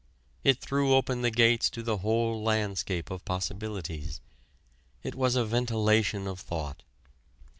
It threw open the gates to the whole landscape of possibilities. It was a ventilation of thought.